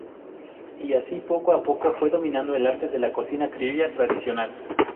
Y así, poco a poco, fue dominando el arte de la cocina criolla tradicional.